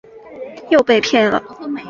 又被骗了